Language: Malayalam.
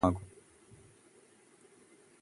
സ്നേഹം നമുക്ക് അനുഭവവേദ്യമാകും